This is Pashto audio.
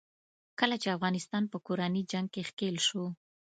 کله چې افغانستان په کورني جنګ کې ښکېل شو.